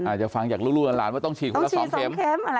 อาจจะฟังอยากรู้รู้กันหลานว่าต้องฉีดคุณละสองเข็ม